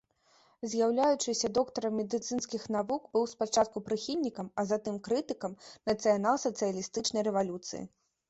З'яўляючыся доктарам медыцынскіх навук, быў спачатку прыхільнікам, а затым крытыкам нацыянал-сацыялістычнай рэвалюцыі.